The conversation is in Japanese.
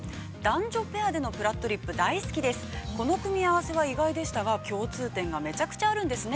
この組み合わせが意外でしたが、共通点がめちゃくちゃあるんですね。